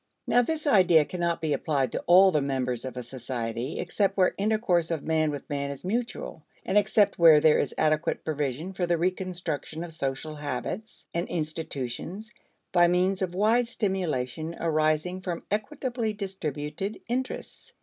Now this idea cannot be applied to all the members of a society except where intercourse of man with man is mutual, and except where there is adequate provision for the reconstruction of social habits and institutions by means of wide stimulation arising from equitably distributed interests.